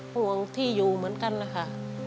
ห่วงที่อยู่เหมือนกันนะคะ